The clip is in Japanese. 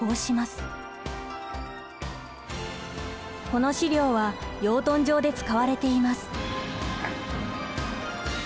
この飼料は養豚場で使われています。